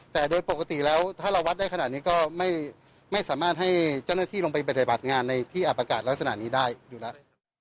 แต่โดยปกติแล้วถ้าเราวัดได้ขนาดนี้ก็ไม่สามารถให้เจ้าหน้าที่ลงไปปฏิบัติงานในที่อับอากาศลักษณะนี้ได้อยู่แล้ว